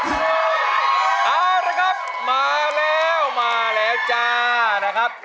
เอาละครับมาแล้วมาแล้วจ้านะครับ